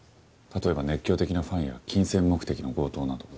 例えば熱狂的なファンや金銭目的の強盗など。